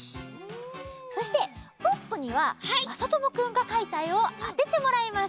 そしてポッポにはまさともくんがかいたえをあててもらいます。